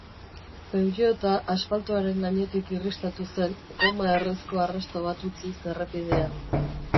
Peugeota asfaltoaren gainetik irristatu zen, goma errezko arrasto bat utziz errepidean.